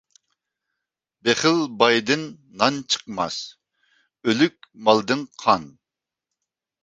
بېخىل بايدىن نان چىقماس، ئۆلۈك مالدىن قان.